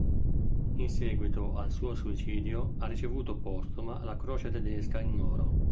In seguito al suo suicidio ha ricevuto postuma la Croce Tedesca in oro.